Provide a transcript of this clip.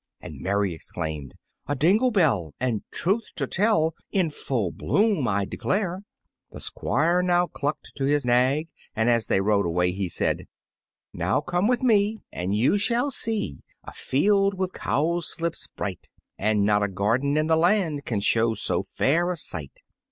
And Mary exclaimed, "A dingle bell, and truth to tell In full bloom, I declare!" The Squire now clucked to his nag, and as they rode away he said, "Now come with me and you shall see A field with cowslips bright, And not a garden in the land Can show so fair a sight."